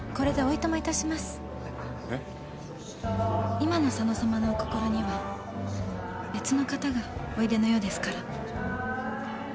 今の佐野さまのお心には別の方がおいでのようですから。